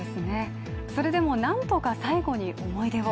それでもなんとか最後に思い出を。